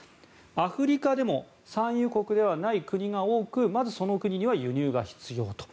アフリカでも産油国ではない国が多くまずその国には輸入が必要と。